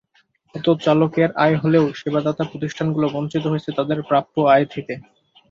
এতে চালকের আয় হলেও সেবাদাতা প্রতিষ্ঠানগুলো বঞ্চিত হয়েছে তাদের প্রাপ্য আয় থেকে।